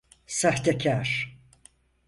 Sahtekâr!